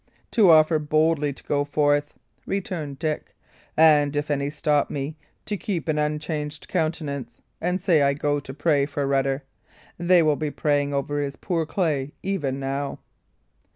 "To offer boldly to go forth," returned Dick; "and if any stop me, to keep an unchanged countenance, and say I go to pray for Rutter. They will be praying over his poor clay even now."